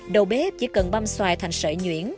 đầu bếp chỉ cần băm xoài thành sợi nhuyễn